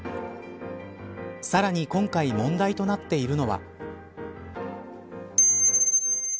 さらに今回、問題となっているのは。